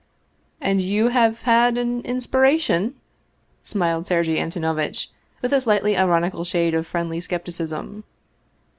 "And you have had an inspiration?" smiled Sergei An tonovitch, with a slightly ironical shade of friendly skep ticism.